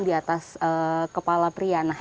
di atas kepala pria